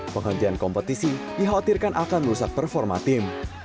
penghentian kompetisi dikhawatirkan akan merusak performa tim